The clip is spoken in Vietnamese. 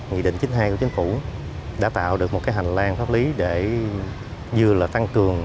nghị định chín mươi hai của chính phủ đã tạo được một cái hành lang pháp lý để như là tăng cường